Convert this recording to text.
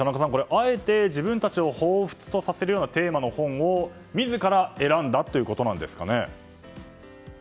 あえて自分たちをほうふつとさせるようなテーマの本を自ら選んだということなんですかね。